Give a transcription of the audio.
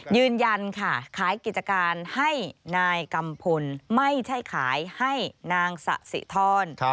ยืนยันค่ะขายกิจการให้นายกัมพลไม่ใช่ขายให้นางสะสิทร